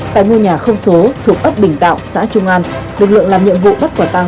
tại ngôi nhà không số thuộc ấp bình tạo xã trung an lực lượng làm nhiệm vụ bắt quả tăng